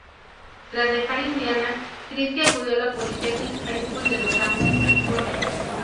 Tras dejar Indiana, Christy acudió a la Polytechnic High School de Los Ángeles, California.